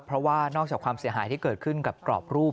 เพราะว่านอกจากความเสียหายที่เกิดขึ้นกับกรอบรูป